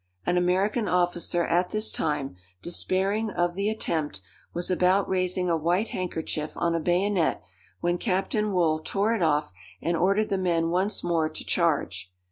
An American officer at this time, despairing of the attempt, was about raising a white handkerchief on a bayonet, when Captain Wool tore it off, and ordered the men once more to charge.